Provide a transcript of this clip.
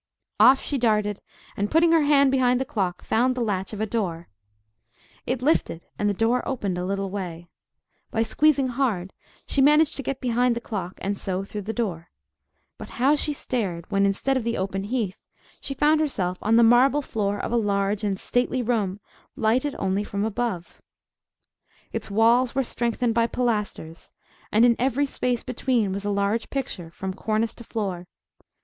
Off she darted, and putting her hand behind the clock found the latch of a door. It lifted, and the door opened a little way. By squeezing hard, she managed to get behind the clock, and so through the door. But how she stared, when instead of the open heath, she found herself on the marble floor of a large and stately room, lighted only from above. Its walls were strengthened by pilasters, and in every space between was a large picture, from cornice to floor.